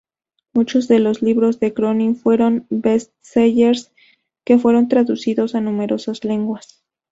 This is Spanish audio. Muchos de los libros de Cronin fueron "bestsellers" que fueron traducidos a numerosas lenguas.